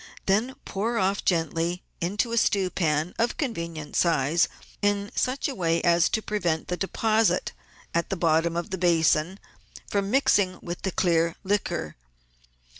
Then pour off gently into a stew pan of convenient size in such a way as to prevent the deposit at the bottom of the basin from mixing with the clear liquor.